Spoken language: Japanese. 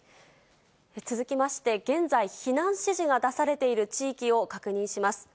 続きまして、現在、避難指示が出されている地域を確認します。